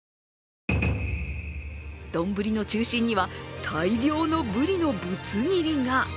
丼の中心には、大量のブリのぶつ切りが。